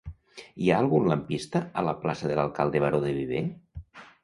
Hi ha algun lampista a la plaça de l'Alcalde Baró de Viver?